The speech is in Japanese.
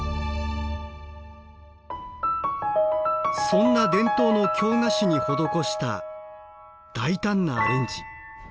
そんな伝統の京菓子に施した大胆なアレンジ。